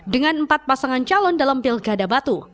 dengan empat pasangan calon dalam pilkada batu